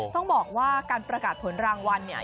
ต้องบอกว่าการประกาศผลรางวัลเนี่ย